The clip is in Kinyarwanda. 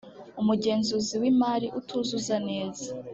umugenzuzi w imari utuzuza neza